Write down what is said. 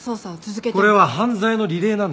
これは犯罪のリレーなんです。